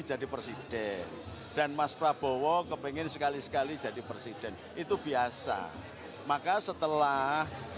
jadi presiden dan mas prabowo kepingin sekali sekali jadi presiden itu biasa maka setelah